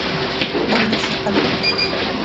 Onimitstlajpaloko